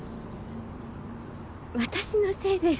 私のせいです。